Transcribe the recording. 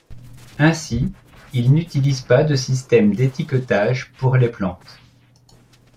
Ainsi, il n'utilise pas de système d'étiquetage pour les plantes.